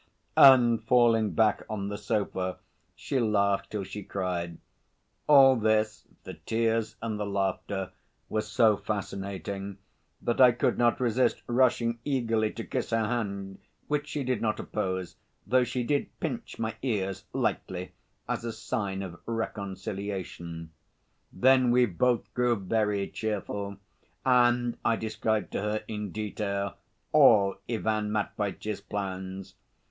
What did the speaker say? And falling back on the sofa, she laughed till she cried. All this the tears and the laughter were so fascinating that I could not resist rushing eagerly to kiss her hand, which she did not oppose, though she did pinch my ears lightly as a sign of reconciliation. Then we both grew very cheerful, and I described to her in detail all Ivan Matveitch's plans.